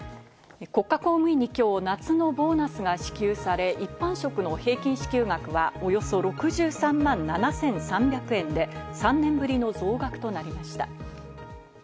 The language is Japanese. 国家公務員にきょう夏のボーナスが支給され、一般職の平均支給額はおよそ６３万７３００円で、３年ぶりの増額となりました。